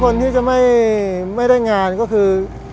คนที่จะไม่ได้งานก็คือ